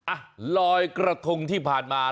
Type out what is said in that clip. อ่ะลอยกระทงที่ผ่านมา